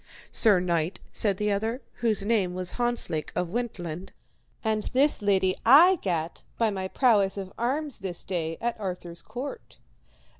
Sir knight, said the other, whose name was Hontzlake of Wentland, and this lady I gat by my prowess of arms this day at Arthur's court.